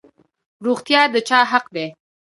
روغتیا د چا حق دی؟